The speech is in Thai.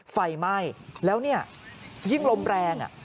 ไฟไหม้แล้วเนี่ยยิ่งลมแรง